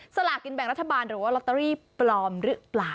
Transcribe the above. สลากินแบ่งรัฐบาลหรือว่าลอตเตอรี่ปลอมหรือเปล่า